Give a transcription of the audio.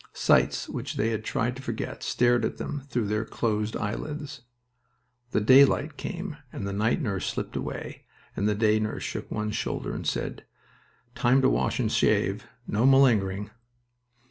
Sights which they had tried to forget stared at them through their closed eyelids. The daylight came and the night nurse slipped away, and the day nurse shook one's shoulders and said: "Time to wash and shave. No malingering!"